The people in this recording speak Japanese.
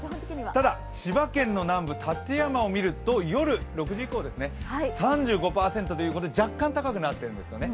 ただ千葉県の南部館山を見ると夜、６時以降ですね、３５％ということで若干高くなっているんですね。